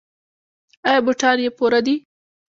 ایا بوټان یې پوره دي؟